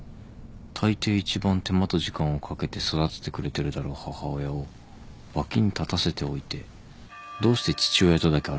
たいてい一番手間と時間をかけて育ててくれてるだろう母親を脇に立たせておいてどうして父親とだけ歩くんだろう。